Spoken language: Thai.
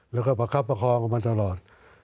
และก็ขับประครองออกมาตลอด